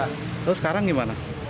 terus sekarang gimana